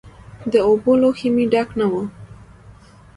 د اوبو لوښی مې ډک نه و.